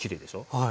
はい。